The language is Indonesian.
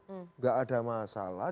enggak ada masalah